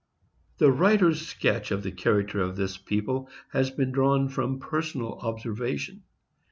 The writer's sketch of the character of this people has been drawn from personal observation.